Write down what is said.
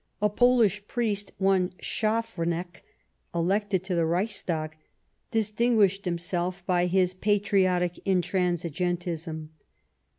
A Pohsh priest, one Schaff ranek, elected to the Reichstag, distinguished him self by his pati iotic intransigentism.